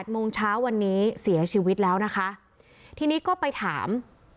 โมงเช้าวันนี้เสียชีวิตแล้วนะคะทีนี้ก็ไปถาม